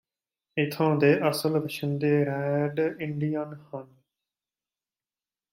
ਏਥੋਂ ਦੇ ਅਸਲ ਵਸ਼ਿੰਦੇ ਰੈਡ ਇੰਡੀਅਨ ਹਨ